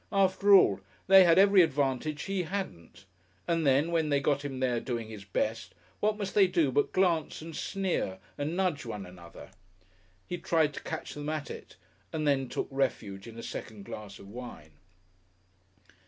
After all, they had every advantage he hadn't. And then, when they got him there doing his best, what must they do but glance and sneer and nudge one another. He tried to catch them at it, and then took refuge in a second glass of wine.